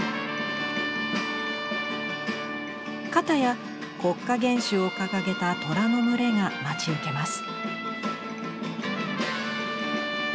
かたや国家元首を掲げたトラの群れが待ち受けます。